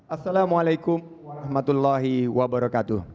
assalamualaikum warahmatullahi wabarakatuh